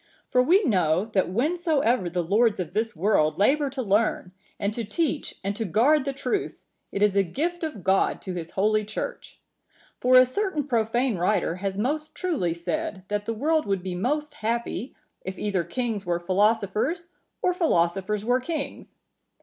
For we know, that whensoever the lords of this world labour to learn, and to teach and to guard the truth, it is a gift of God to his Holy Church. For a certain profane writer(952) has most truly said, that the world would be most happy if either kings were philosophers, or philosophers were kings.